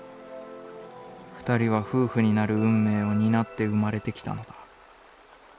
二人は夫婦になる運命を荷って生まれてきたのだ」。